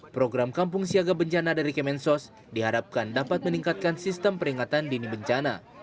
program kampung siaga bencana dari kemensos diharapkan dapat meningkatkan sistem peringatan dini bencana